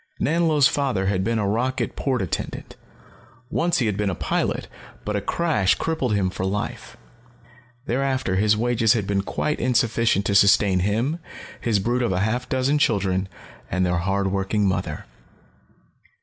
Nanlo's father had been a rocket port attendant. Once he had been a pilot, but a crash had crippled him for life. Thereafter, his wages had been quite insufficient to sustain him, his brood of half a dozen children, and their hard working mother.